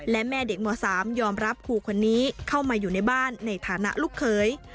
และแม่เด็กม๓ยอมรับครูคนนี้เข้ามาอยู่ในบ้านในฐานะลูกเขย